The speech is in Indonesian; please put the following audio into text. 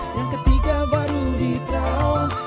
yang ketiga baru diterawang